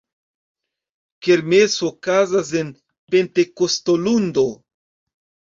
Kermeso okazas en Pentekostolundo.